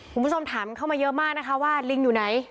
คุณผู้ชมถามเข้ามาเยอะมากนะคะว่าลิงอยู่ไหน